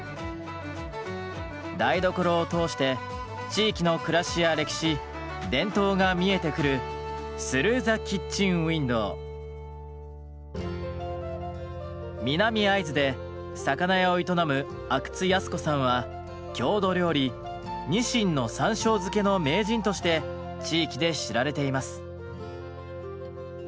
台所を通して地域の暮らしや歴史伝統が見えてくる南会津で魚屋を営む郷土料理「にしんの山しょう漬け」の名人として地域で知られています。